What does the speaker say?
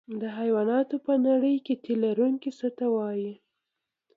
د حیواناتو په نړۍ کې تی لرونکي څه ته وایي